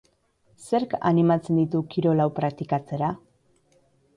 Zerk animatzen ditu kirol hau praktikatzera?